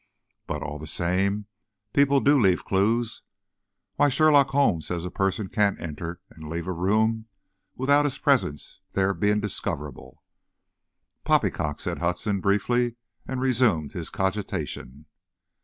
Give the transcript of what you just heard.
But, all the same, people do leave clews, why, Sherlock Holmes says a person can't enter and leave a room without his presence there being discoverable." "Poppycock," said Hudson, briefly, and resumed his cogitation.